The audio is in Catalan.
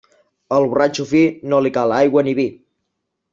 Al borratxo fi no li cal aigua ni vi.